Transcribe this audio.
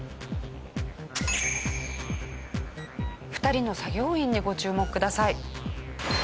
２人の作業員にご注目ください。